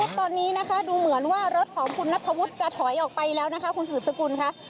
ตอนนี้นะคะดูเหมือนว่ารถของคุณนัทธวุฒิจะถอยออกไปแล้วนะคะคุณสืบสกุลค่ะ